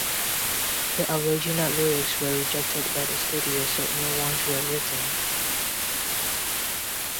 The original lyrics were rejected by the studio so new ones were written.